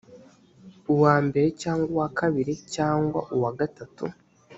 uwa mbere cyangwa uwa kabiri cyangwa uwa gatatu